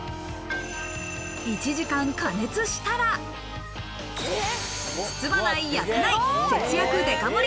１時間、加熱したら包まない、焼かない、節約デカ盛り